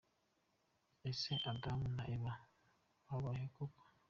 Ese Adam na Eva babayeho koko?.